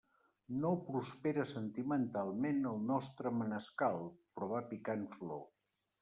No prospera sentimentalment el nostre manescal, però va picant flor.